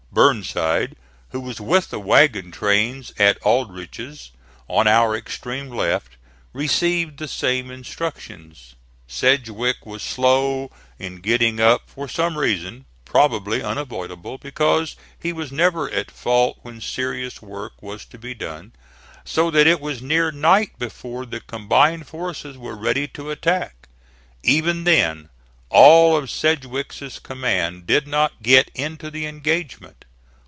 Burnside, who was with the wagon trains at Aldrich's on our extreme left, received the same instructions. Sedgwick was slow in getting up for some reason probably unavoidable, because he was never at fault when serious work was to be done so that it was near night before the combined forces were ready to attack. Even then all of Sedgwick's command did not get into the engagement.